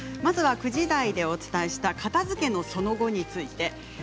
９時台でお伝えした片づけのその後についてです。